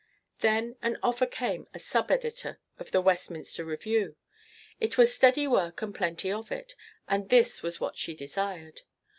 Then an offer came as sub editor of the "Westminster Review." It was steady work and plenty of it, and this was what she desired.